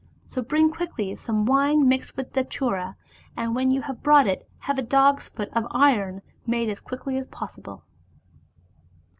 So bring quickly some wine mixed with Datura, and when you have brought it, have a dog's foot of iron made as quickly as possible."